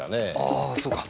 ああそうか。